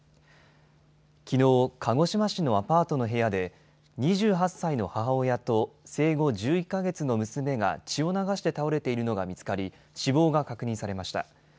きのう、鹿児島市のアパートの部屋で、２８歳の母親と、生後１１か月の娘が血を流して倒れているのが見つかり、死亡が確認されました。